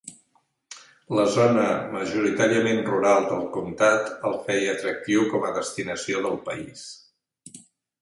La zona majoritàriament rural del comtat el feia atractiu com a destinació del país.